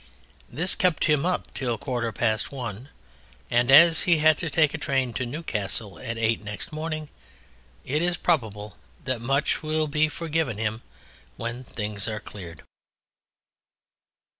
This kept him up till a quarter past one, and as he had to take a train to Newcastle at eight next morning it is probable that much will be forgiven him when things are cleared.